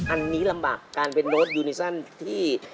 อันนี้ลำบากการเป็นโดสยูนิซันที่